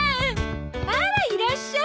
あらいらっしゃい。